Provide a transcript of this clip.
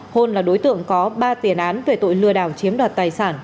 hôn là đối tượng có ba tiền án về tội lừa đảo chiếm đoạt tài sản